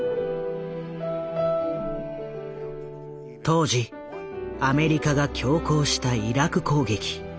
当時アメリカが強行したイラク攻撃。